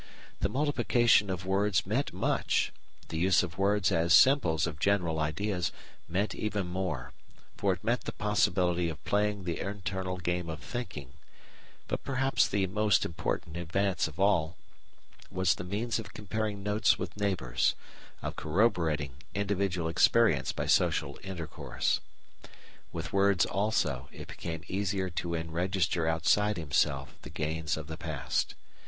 The multiplication of words meant much, the use of words as symbols of general ideas meant even more, for it meant the possibility of playing the internal game of thinking; but perhaps the most important advance of all was the means of comparing notes with neighbours, of corroborating individual experience by social intercourse. With words, also, it became easier to enregister outside himself the gains of the past.